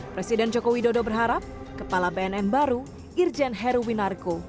presiden jokowi dodo berharap kepala bnn baru irjen heru winarko